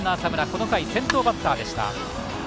この回、先頭バッターでした。